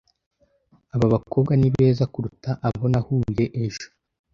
Aba bakobwa ni beza kuruta abo nahuye ejo.